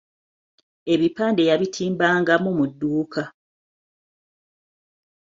Ebipande yabitimbanga mu mu dduuka.